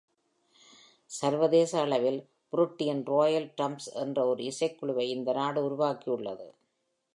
சர்வதேச அளவில், புருண்டியின் ராயல் டிரம்மர்ஸ் என்ற ஒரு இசைக்குழுவை இந்த நாடு உருவாக்கியுள்ளது.